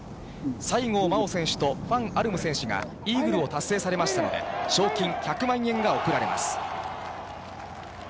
西郷真央選手と黄アルム選手がイーグルを達成されましたので、賞金１００万円が贈られます。